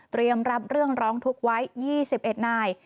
รับเรื่องร้องทุกข์ไว้๒๑นาย